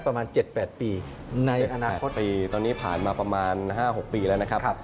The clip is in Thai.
ปีตอนนี้ผ่านมาประมาณ๕๖ปีแล้วนะครับ